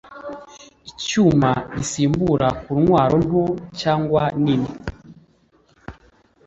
icyuma gisimbura ku ntwaro nto cyangwa nini